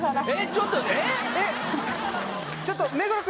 ちょっとえーっ！？